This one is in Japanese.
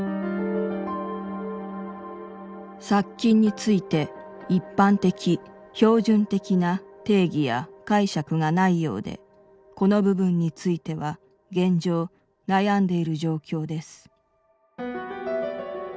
「殺菌について一般的標準的な定義や解釈がないようでこの部分については現状悩んでいる状況です」。